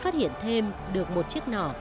thêm được một chiếc nỏ